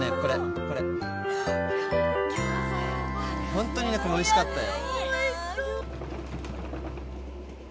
ホントにねこれおいしかったよ。